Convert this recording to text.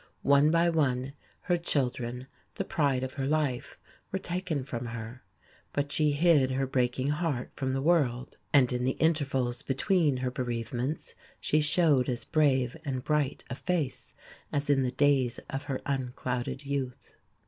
One by one, her children, the pride of her life, were taken from her; but she hid her breaking heart from the world, and in the intervals between her bereavements she showed as brave and bright a face as in the days of her unclouded youth.